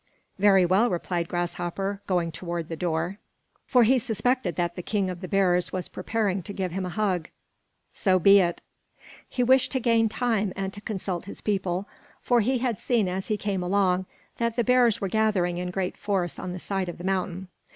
"Very well," replied Grasshopper, going toward the door, for he suspected that the king of the bears was preparing to give him a hug. "So be it." He wished to gain time and to consult his people; for he had seen as he came along that the bears were gathering in great force on the side of the mountain.